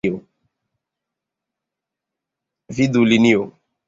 Vidu linio.